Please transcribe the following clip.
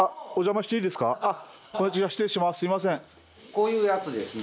こういうやつですね。